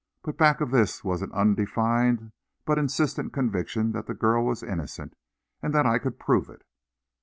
But back of this was an undefined but insistent conviction that the girl was innocent, and that I could prove it.